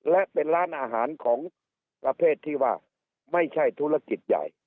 และเป็นร้านอาหารของประเภทที่ว่าไม่ใช่ธุรกิจใหญ่